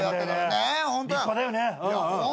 立派だよね。